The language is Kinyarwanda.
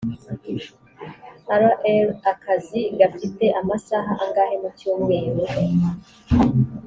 rr akazi gafite amasaha angahe mu cyumweru